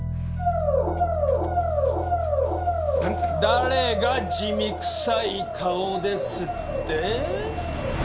誰が地味くさい顔ですって？